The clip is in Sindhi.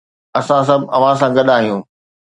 اسان سڀ اوهان سان گڏ آهيون